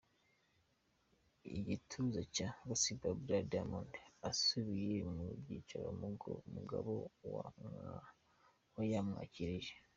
igituza cya Nasib Abdul Diamond, asubiye mu byicaro umugabo we yamwakirije.